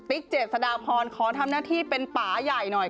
เจษฎาพรขอทำหน้าที่เป็นป่าใหญ่หน่อย